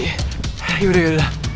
yaudah yaudah yaudah